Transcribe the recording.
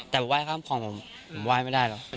แต่ว่าว่ายข้ามของผมผมว่ายไม่ได้หรอก